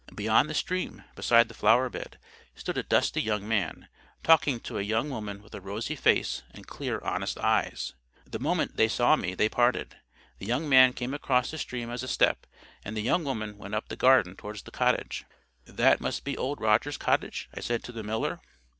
Beyond the stream, beside the flower bed, stood a dusty young man, talking to a young woman with a rosy face and clear honest eyes. The moment they saw me they parted. The young man came across the stream at a step, and the young woman went up the garden towards the cottage. "That must be Old Rogers's cottage?" I said to the miller.